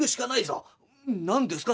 「何ですか？